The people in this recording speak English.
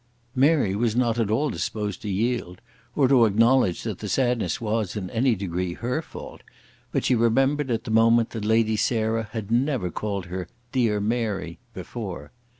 Mary was not at all disposed to yield, or to acknowledge that the sadness was, in any degree, her fault, but she remembered, at the moment, that Lady Sarah had never called her "dear Mary" before.